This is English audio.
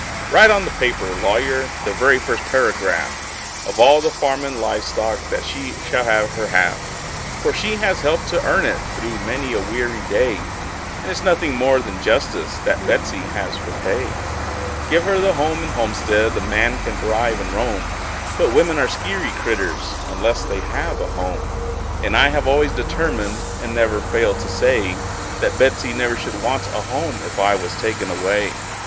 Write on the paper, lawyer the very first paragraph Of all the farm and live stock that she shall have her half; For she has helped to earn it, through many a weary day, And it's nothing more than justice that Betsey has her pay. Give her the house and homestead a man can thrive and roam; But women are skeery critters, unless they have a home; And I have always determined, and never failed to say, That Betsey never should want a home if I was taken away.